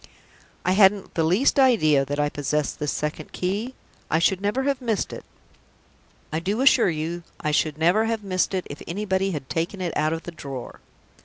"I hadn't the least idea that I possessed this second key. I should never have missed it. I do assure you I should never have missed it if anybody had taken it out of the drawer!"